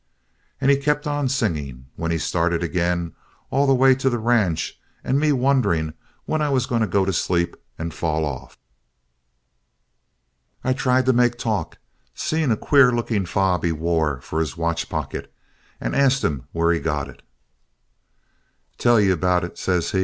"And he kept on singing, when he started again, all the way to the ranch and me wondering when I was going to go to sleep and fall off. I tried to make talk. Seen a queer looking fob he wore for his watch pocket. Asked him where he got it. "'Tell you about it,' he says.